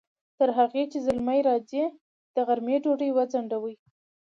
تر هغې چې زلمی راځي، د غرمې ډوډۍ وځڼډوئ!